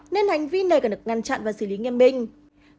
nên hành vi này cần được ngăn chặn và xử lý nghiêm minh